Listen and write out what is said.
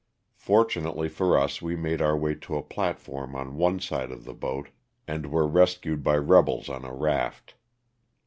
Fortunately for us we made our way to a platform on one side of the boat and were rescued by rebels on a raft.